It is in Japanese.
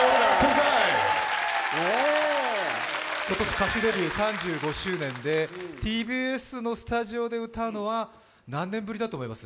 今年歌手デビュー３５周年でＴＢＳのスタジオで歌うのは何年ぶりだと思います？